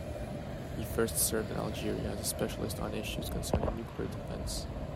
He first served in Algeria as a specialist on issues concerning nuclear defense.